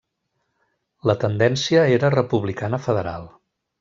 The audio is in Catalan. La tendència era republicana federal.